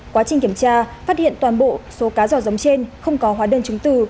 quá trình kiểm tra phát hiện toàn bộ số cá giò giống trên không có hóa đơn chứng từ